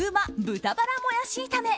豚バラもやし炒め。